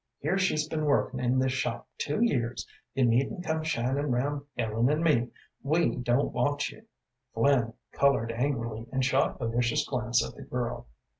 Here she's been workin' in this shop two years. You needn't come shinin' round Ellen an' me! We don't want you." Flynn colored angrily and shot a vicious glance at the girl.